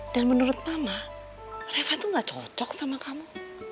dan menurut mama reva tuh nggak cocok sama kamu